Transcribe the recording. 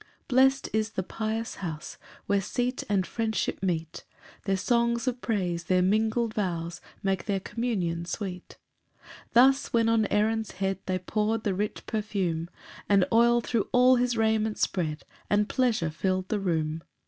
2 Blest is the pious house Where seat and friendship meet, Their songs of praise, their mingled vows Make their communion sweet. 3 Thus when on Aaron's head They pour'd the rich perfume, The oil thro' all his raiment spread, And pleasure fill'd the room.